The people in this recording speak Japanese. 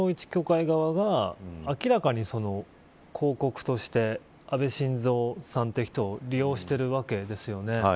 本当に統一教会側が明らかに、広告として安倍晋三さんという人を利用しているわけですよね。